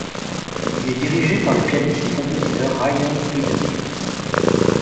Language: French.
Il est dirigé par le pianiste et compositeur Reinhold Friedl.